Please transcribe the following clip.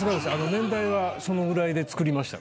年代はそのぐらいで作りました。